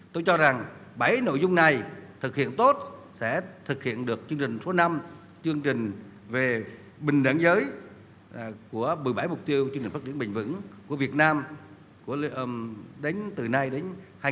tôi cho rằng bảy nội dung này thực hiện tốt sẽ thực hiện được chương trình số năm chương trình về bình đẳng giới của một mươi bảy mục tiêu chương trình phát triển bình vững của việt nam đến từ nay đến hai nghìn ba mươi